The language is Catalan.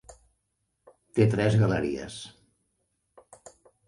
Té tres galeries.